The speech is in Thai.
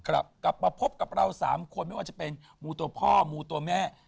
กลับมาพบกับเรา๓คนไม่ว่าจะเป็นมูตัวพ่อมูตัวแม่